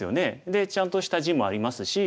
でちゃんとした地もありますし。